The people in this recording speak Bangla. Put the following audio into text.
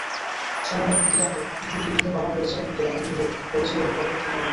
সময়ের ক্ষতিটাকে দ্রুত লিখে কভার করেছিলাম, কিন্তু লেখাগুলো হয়েছিল বকের ঠ্যাঙের মতো।